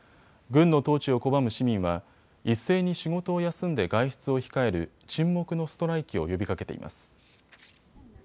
軍の統治を拒む市民は一斉に仕事を休んで外出を控える沈黙のストライキを呼びかけています。